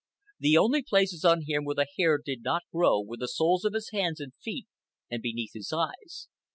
The only places on him where the hair did not grow were the soles of his hands and feet and beneath his eyes.